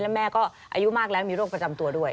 แล้วแม่ก็อายุมากแล้วมีโรคประจำตัวด้วย